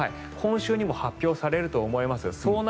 今週にも発表されると思います。